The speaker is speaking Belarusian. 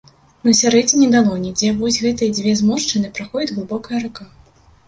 На сярэдзіне далоні, дзе вось гэтыя дзве зморшчыны, праходзіць глыбокая рака.